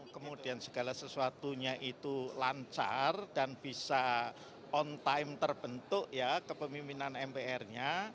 kemudian segala sesuatunya itu lancar dan bisa on time terbentuk ya kepemimpinan mpr nya